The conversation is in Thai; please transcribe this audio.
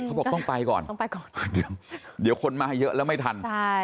เขาบอกต้องไปก่อนต้องไปก่อนเดี๋ยวคนมาเยอะแล้วไม่ทันใช่